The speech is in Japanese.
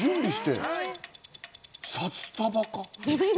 札束か？